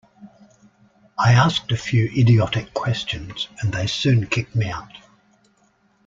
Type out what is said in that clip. I asked a few idiotic questions, and they soon kicked me out.